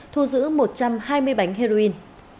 thu giữ một trăm hai mươi bánh heroin